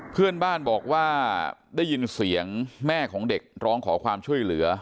เพื่อนบ้านบอกว่าได้ยินเสียงแม่ของเด็กร้องขอความช่วยเหลือ